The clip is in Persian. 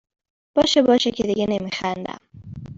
باشه باشه که دیگه نمیخندم